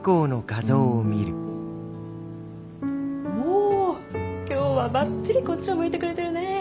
お今日はバッチリこっちを向いてくれてるね。